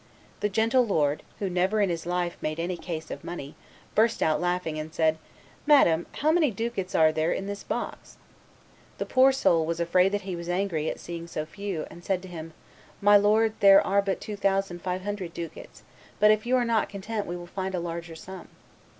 The gentle lord, who never in his life made any case of money, burst out laughing, and said, 'Madam, how many ducats are there in this box?' The poor soul was afraid that he was angry at seeing so few, and said to him, 'My lord, there are but two thousand five hundred ducats; but, if you are not content, we will find a larger sum.